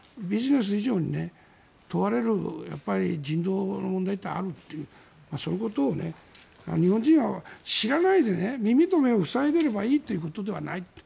ビジネス以上に問われる人道の問題ってあるというそういうことを日本人は知らないで耳と目を塞いでいればいいということではない。